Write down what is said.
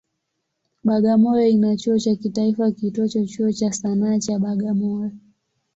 Bagamoyo ina chuo cha kitaifa kiitwacho Chuo cha Sanaa cha Bagamoyo.